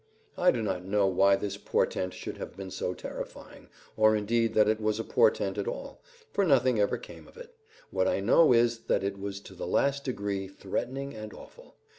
I do not know why this portent should have been so terrifying, or indeed that it was a portent at all, for nothing ever came of it; what I know is that it was to the last degree threatening and awful.